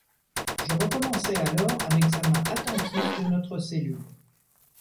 Je recommençai alors un examen attentif de notre cellule.